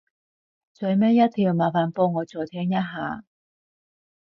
最尾一條麻煩幫我再聽一下